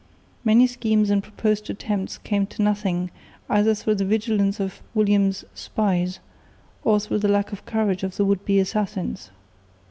Many schemes and proposed attempts came to nothing either through the vigilance of William's spies or through the lack of courage of the would be assassins.